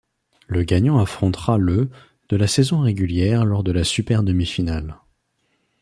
Le gagnant affrontera le de la saison régulière lors de la super demi-finale.